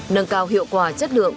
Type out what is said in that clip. nâng cao hiệu quả chất lượng